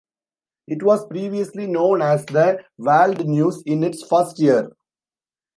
It was previously known as "The World News" in its first year.